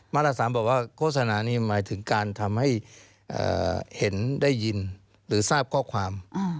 ตร๓บอกว่าโฆษณานี้หมายถึงการทำให้เห็นได้ยินหรือทราบข้อความ